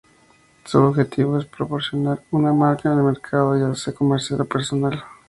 Su objetivo es promocionar una marca en el mercado, ya sea comercial o personal.